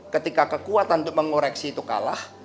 ketika kekuatan untuk mengoreksi itu kalah